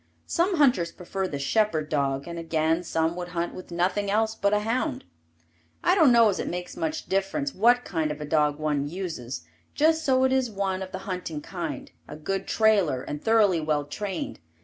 Some hunters prefer the shepherd dog and again some would hunt with nothing else but a hound. I don't know as it makes much difference what kind of a dog one uses, just so it is one of the hunting kind, a good trailer and thoroughly well trained.